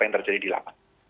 yang terjadi di lapan